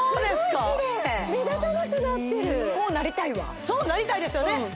スゴいキレイ目立たなくなってるこうなりたいわそうなりたいですよね